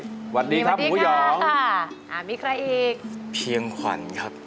สวัสดีครับหมูหย่องสวัสดีค่ะมีใครอีกพี่ยังขวัญครับ